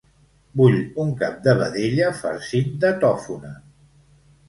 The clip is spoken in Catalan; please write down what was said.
Vull un cap de vedella farcit de tòfona.